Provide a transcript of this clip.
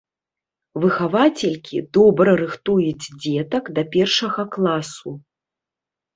Выхавацелькі добра рыхтуюць дзетак да першага класу.